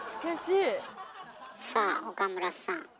さあ岡村さん。